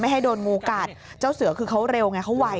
ให้โดนงูกัดเจ้าเสือคือเขาเร็วไงเขาไว